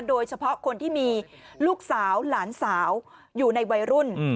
โดยเฉพาะคนที่มีลูกสาวหลานสาวอยู่ในวัยรุ่น